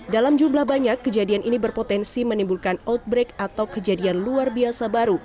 dalam jumlah banyak kejadian ini berpotensi menimbulkan outbreak atau kejadian luar biasa baru